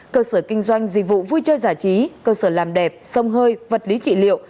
cơ sở kinh doanh dịch vụ vui chơi giải trí cơ sở làm đẹp sông hơi vật lý trị liệu